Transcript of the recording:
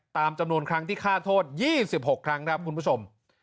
ตามจำนวนครั้งที่ฆ่าโทษ๒๖ครั้งครับคุณผู้ชม